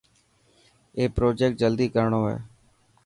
اي پرجيڪٽ جلدي ڪرڻو هي.